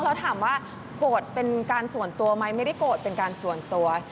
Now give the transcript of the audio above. แล้วถามว่าโกรธเป็นการส่วนตัวไหมไม่ได้โกรธเป็นการส่วนตัว